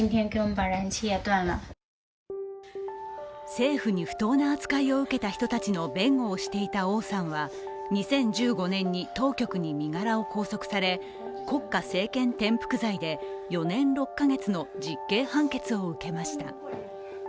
政府に不当な扱いを受けた人たちの弁護をしていたという王さんは２０１５年に、当局に身柄を拘束され国家政権転覆罪で４年６か月の実刑判決を受けました。